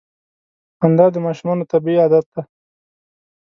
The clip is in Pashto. • خندا د ماشومانو طبیعي عادت دی.